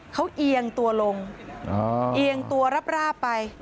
เขาเอียงตัวลงเอียงตัวราบไป